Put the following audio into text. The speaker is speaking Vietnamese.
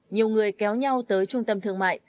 nhiều người kéo nhau tới trung tâm thương mại